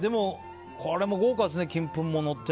これも豪華ですね、金粉ものって。